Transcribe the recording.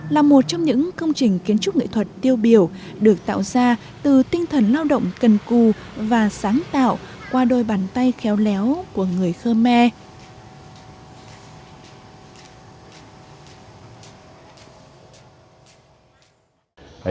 là một trong những công trình kiến trúc nghệ thuật tiêu biểu được tạo ra từ tinh thần lao động cần cù và sáng tạo qua đôi bàn tay khéo léo của người khơ me